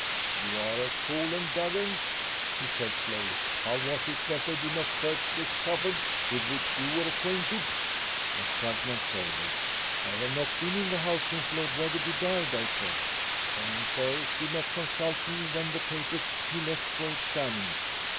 "You are at Poole and Duggan's," he said slowly. "How was it that they did not search this cupboard, with which you were acquainted?" I shrugged my shoulders. "I have not been in the house since Lord Wetherby died," I said. "My employers did not consult me when the papers he left were examined."